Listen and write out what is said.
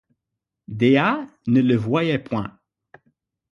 Dea ne le voyait point.